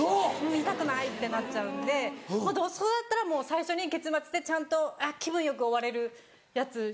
見たくない！ってなっちゃうんでそれだったら最初に結末でちゃんと気分よく終われるやつの方が。